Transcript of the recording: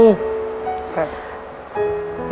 ครับ